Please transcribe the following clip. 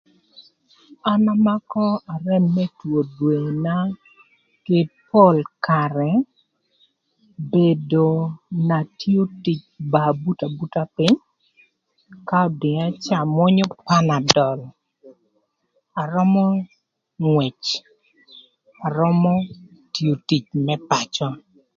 An amakö arem më two dwena kï pol karë bedo n'atio tic ba abuto abuta pïny ka ödïa cë amwönyö panadol. Arömö ngwëc, arömö tio tic më pacö.